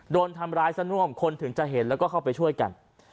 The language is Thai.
โดนทำร้ายซะน่วมคนถึงจะเห็นแล้วก็เข้าไปช่วยกัน